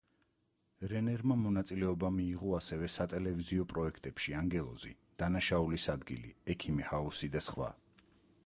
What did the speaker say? რენერმა მონაწილეობა მიიღო ასევე სატელივიზიო პროექტებში: „ანგელოზი“, „დანაშაულის ადგილი“, „ექიმი ჰაუსი“ და სხვა.